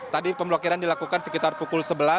tadi pemblokiran dilakukan sekitar pukul sebelas